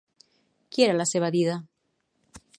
Qui era la seva dida?